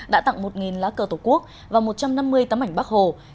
đã tặng một lá cờ tổ quốc và một trăm năm mươi tấm ảnh bác hồ